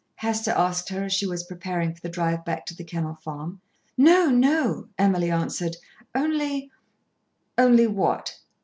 Hester asked her as she was preparing for the drive back to The Kennel Farm. "No, no," Emily answered. "Only " "Only what?"